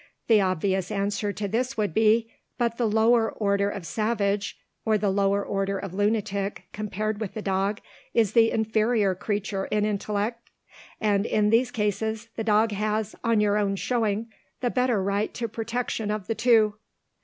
The obvious answer to this would be, But the lower order of savage, or the lower order of lunatic, compared with the dog, is the inferior creature in intellect; and, in these cases, the dog has, on your own showing, the better right to protection of the two.